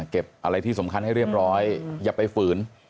เก็บอะไรที่สำคัญให้เรียบร้อยอย่าไปฝืน